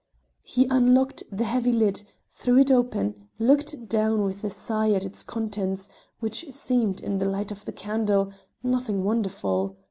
He unlocked the heavy lid, threw it open, looked down with a sigh at its contents, which seemed, in the light of he candle, nothing wonderful.